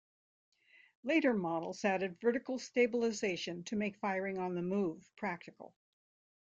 Later models added vertical stabilization to make firing on the move practical.